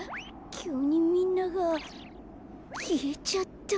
きゅうにみんながきえちゃった。